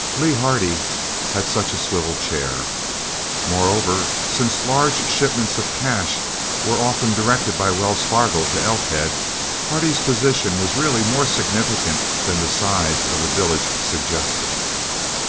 Lee Hardy had such a swivel chair. Moreover, since large shipments of cash were often directed by Wells Fargo to Elkhead, Hardy's position was really more significant than the size of the village suggested.